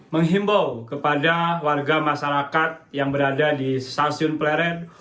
menghimbau kepada warga masyarakat yang berada di stasiun pleret